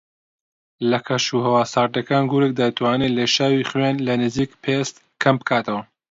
لە کەش و ھەوا ساردەکان گورگ دەتوانێت لێشاوی خوێن لە نزیک پێست کەم بکاتەوە